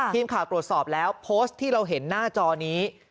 ทีมข่าวตรวจสอบแล้วโพสต์ที่เราเห็นหน้าจอนี้